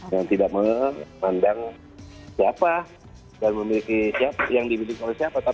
yang tidak memandang siapa dan memiliki siapa yang dimiliki oleh siapa